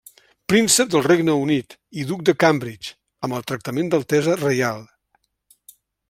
Príncep del Regne Unit i duc de Cambridge amb el tractament d'altesa reial.